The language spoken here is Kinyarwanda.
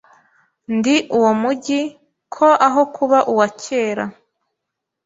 Ndi uwo mujyi ko aho kuba uwakera